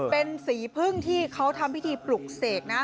เป็นสีพึ่งที่เขาทำพิธีปลุกเสกนะ